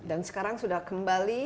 dan sekarang sudah kembali